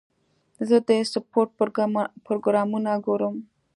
زه د سپورټ پروګرامونه ګورم.